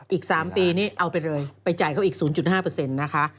อีก๓ปีนี่เอาไปเลยไปจ่ายเขาอีก๐๕นะคะ